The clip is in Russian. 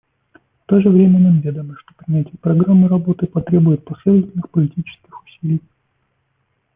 В то же время нам ведомо, что принятие программы работы потребует последовательных политических усилий.